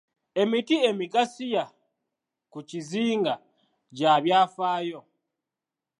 Emiti emigasiya ku kizinga gya byafaayo.